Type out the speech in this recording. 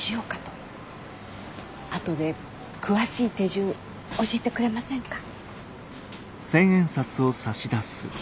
あとで詳しい手順教えてくれませんか？